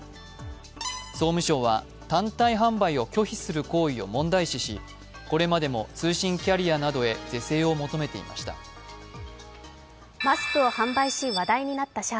総務省は、単体販売を拒否する行為を問題視し、これまでも通信キャリアなどへ是正を求めていました。